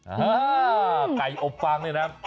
อ้าวไก่อบฟางนี่นะ